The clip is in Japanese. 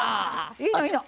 いいのいいの。